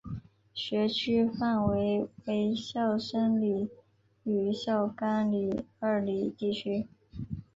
学区范围为孝深里与孝冈里二里地区。